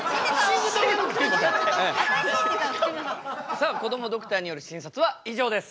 さあこどもドクターによる診察は以上です。